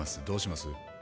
どうします？